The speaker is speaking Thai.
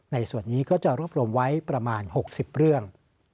ในส่วนนี้ก็จะรวบรวมไว้ประมาณ๖๐เรื่อง